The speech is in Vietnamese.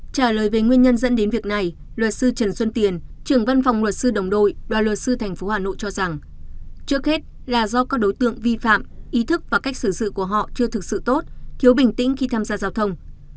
trả lời về nguyên nhân dẫn đến việc này luật sư trần xuân tiền trưởng văn phòng luật sư đồng đội đoàn luật sư tp hà nội cho rằng trước hết là do các đối tượng vi phạm ý thức và cách xử sự của họ chưa thực sự tốt thiếu bình tĩnh khi tham gia giao thông